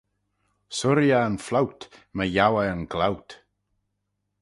Surree eh yn flout, my yiow eh yn glout